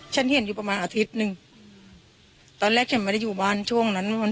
ฉันเห็นอยู่ประมาณอาทิตย์หนึ่งตอนแรกฉันไม่ได้อยู่บ้านช่วงนั้นวัน